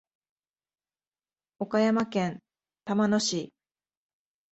岡山県玉野市